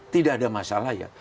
tidak ada masalah ya